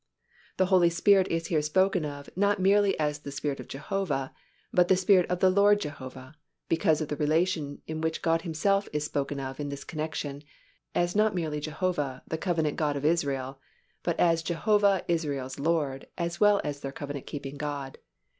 The Holy Spirit is here spoken of, not merely as the Spirit of Jehovah, but the Spirit of the Lord Jehovah because of the relation in which God Himself is spoken of in this connection, as not merely Jehovah, the covenant God of Israel, but as Jehovah Israel's Lord as well as their covenant keeping God.